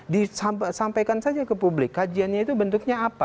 disampaikan saja ke publik kajiannya itu bentuknya apa